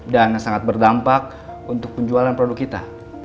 dan sangat berdampak untuk penjualan produk kita